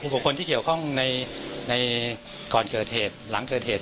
บุคคลที่เกี่ยวข้องในก่อนเกิดเหตุหลังเกิดเหตุ